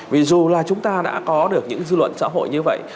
vì dù là chúng ta đã có được những dư luận xã hội như vậy